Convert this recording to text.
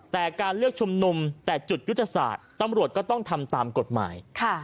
แต่การเลือกชุมนุมแต่จุดยุทธศาสตร์ตำรวจก็ต้องทำตามกฎหมาย